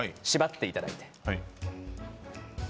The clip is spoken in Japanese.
縛っていただいて。